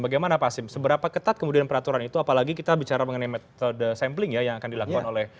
bagaimana pak hasim seberapa ketat kemudian peraturan itu apalagi kita bicara mengenai metode sampling ya yang akan dilakukan oleh